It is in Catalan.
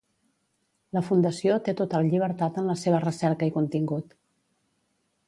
La fundació té total llibertat en la seva recerca i contingut.